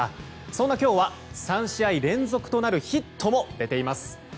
そんな今日は３試合連続となるヒットも出ています。